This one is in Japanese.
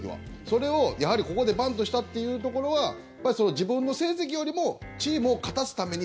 それをやはりここでバントしたっていうところはやっぱり自分の成績よりもチームを勝たすために。